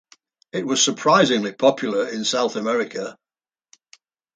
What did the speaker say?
It was surprisingly popular in South America.